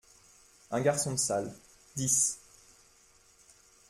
Un garçon de salle : dix.